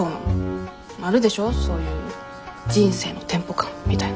あるでしょそういう人生のテンポ感みたいな。